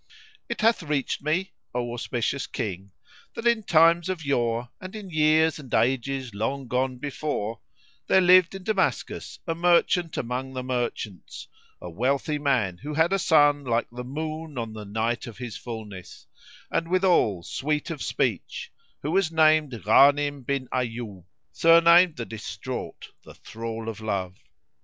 It hath reached me, O auspicious King, that in times of yore and in years and ages long gone before, there lived in Damascus a merchant among the merchants, a wealthy man who had a son like the moon on the night of his fulness[FN#80] and withal sweet of speech, who was named Ghánim bin 'Ayyúb surnamed the Distraught, the Thrall o' Love.